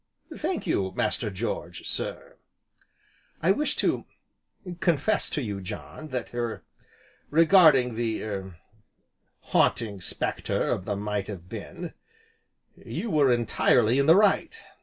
"Thank you, Master George, sir." "I wish to confess to you, John, that er regarding the er Haunting Spectre of the Might Have Been, you were entirely in the right.